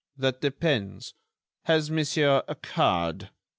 That depends. Has monsieur a card?"